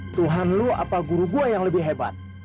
tuhan lo apa guru gue yang lebih hebat